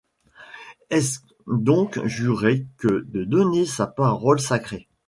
Est-ce donc jurer que de donner sa parole sacrée!